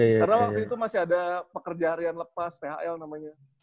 karena waktu itu masih ada pekerjaan lepas phl namanya